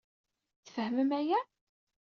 Tfehmem aya?